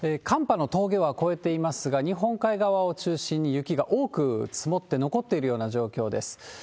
寒波のとうげは越えていますが、日本海側を中心に雪が多く積もって残っているような状況です。